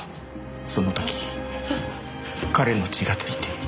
その時彼の血がついて。